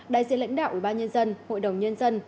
đại diện lãnh đạo ủy ban nhân dân hội đồng nhân dân